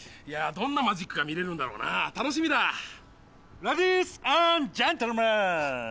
どんなマジックが見れるんだろうな楽しみだレディースアンドジェントルマン！